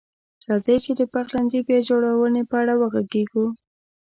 راځئ چې د پخلنځي بیا جوړونې په اړه وغږیږو.